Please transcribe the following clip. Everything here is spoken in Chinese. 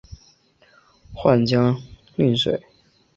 沅江澧水